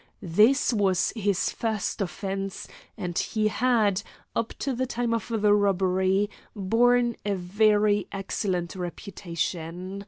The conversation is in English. This was his first offence, and he had, up to the time of the robbery, borne a very excellent reputation.